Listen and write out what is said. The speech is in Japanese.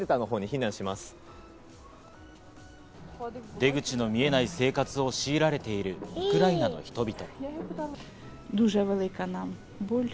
出口の見えない生活を強いられている、ウクライナの人々。